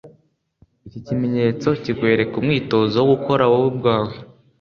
iki kimenyetso kikwereka umwitozo wo gukora wowe ubwawe